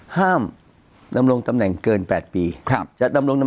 ห้ามนำลงตำแหน่ง